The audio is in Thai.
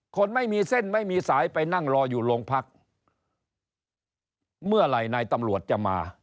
คนไม่มีเส้นไม่มีสายไปนั่งรออยู่โรงพักเมื่อไหร่นายตำรวจจะมา